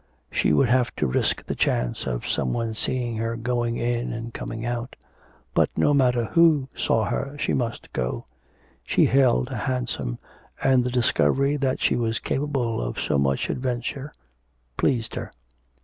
She would have to risk the chance of some one seeing her going in and coming out. But no matter who saw her, she must go. She hailed a hansom, and the discovery that she was capable of so much adventure, pleased her.